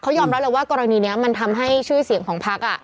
เขายอมรับเลยว่ากรณีนี้มันทำให้ชื่อเสียงของพัก